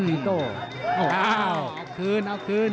มีโต้อ้าวเอาคืนเอาคืน